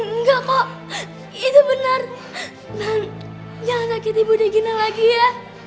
enggak kok itu benar nan jangan sakiti budegina lagi ya